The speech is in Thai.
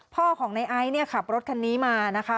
พ่อของไนท์ไอซ์ขับรถคันนี้มานะคะ